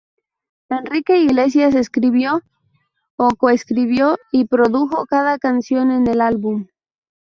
Enrique Iglesias escribió o coescribió y coprodujo cada canción en el álbum.